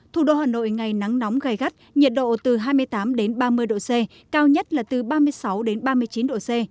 thủ đô hà nội ngày nắng nóng gai gắt nhiệt độ từ hai mươi tám ba mươi độ c cao nhất là từ ba mươi sáu ba mươi chín độ c